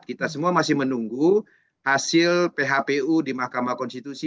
kita semua masih menunggu hasil phpu di mahkamah konstitusi